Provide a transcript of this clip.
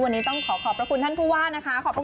วันนี้ต้องขอขอบพระคุณท่านผู้ว่านะคะขอบคุณ